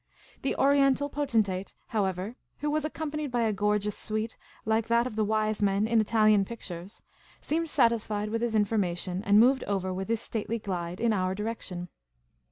The Oriental potentate, however, who was accom panied by a gorgeous suite like that of the Wise Men in Italian pictures, seemed satisfied with his information, and moved over with his stately glide in our direction.